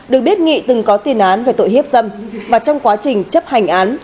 được biết nghị từng có tiền án về tội hiếp dâm và trong quá trình chấp hành án